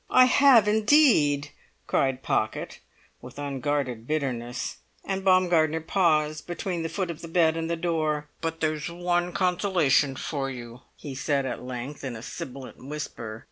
"I have indeed!" cried Pocket, with unguarded bitterness. And Baumgartner paused between the foot of the bed and the door. "But there's one consolation for you," he said at length, in a sibilant whisper.